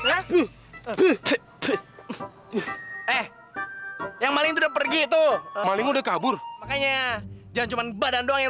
eh eh yang paling udah pergi tuh paling udah kabur makanya jangan cuman badan doa yang